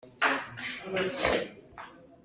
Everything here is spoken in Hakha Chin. A paw thau le a thau sawsawh cu an i khat deuh lo.